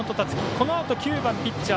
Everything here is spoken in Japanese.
このあと９番ピッチャー